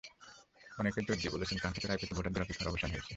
অনেকেই জোর দিয়ে বলেছেন, কাঙ্ক্ষিত রায় পেতে ভোটারদের অপেক্ষার অবসান হয়েছে।